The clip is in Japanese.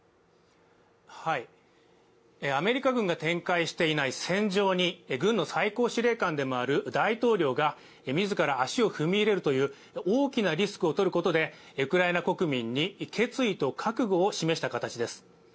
アメリカ軍が展開していない戦場に、軍の最高司令官である大統領が自ら足を踏み入れるという大きなリスクを取ることでウクライナ国民に決意と覚悟を示した形です。